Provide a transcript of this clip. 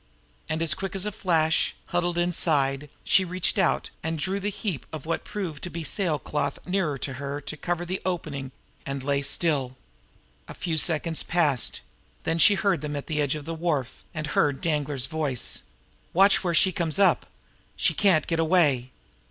And quick as a flash, huddled inside, she reached out and drew the heap of what proved to be sailcloth nearer to her to cover the opening and lay still. A few seconds passed; then she heard them at the edge of the wharf, and heard Danglar s voice. "Watch where she comes up! She can't get away!"